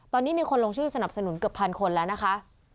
ตอนนี้มีคนลงชื่อสนับสนุนเกือบพันคนแล้วนะคะ